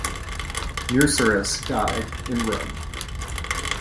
Musurus died in Rome.